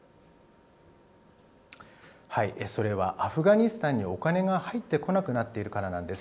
それは、アフガニスタンにお金が入ってこなくなっているからなんです。